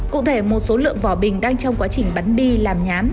cụ thể một số lượng vỏ bình đang trong quá trình bắn bi làm nhám